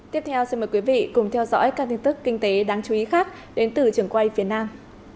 tiếp theo xin mời quý vị cùng theo dõi các tin tức kinh tế đáng chú ý khác đến từ trường quay phía nam